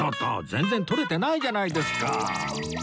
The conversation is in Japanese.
全然撮れてないじゃないですか！